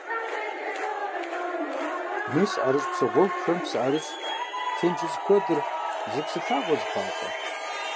Мис а ӀэрыщӀ псы гъуэгухэм псы ӀэрыщӀ, тенджыз куэдыр зы псы лъагъуэу зэпащӀэ.